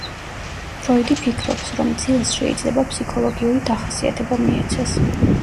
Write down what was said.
ფროიდი ფიქრობს, რომ ძილს შეიძლება ფსიქოლოგიური დახასიათება მიეცეს.